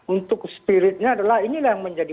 untuk spiritnya adalah inilah yang menjadi